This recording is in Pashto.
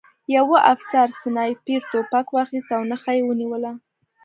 یوه افسر سنایپر توپک واخیست او نښه یې ونیوله